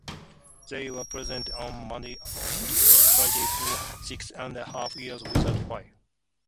They were presented on Monday to Friday, for six-and-a-half years without fail.